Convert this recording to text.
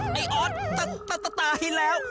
อ้อยไอ้อ๊อตตตว่าตายแล้ว